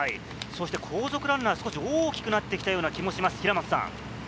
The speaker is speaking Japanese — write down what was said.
後続ランナー、少し大きくなってきたような気がします。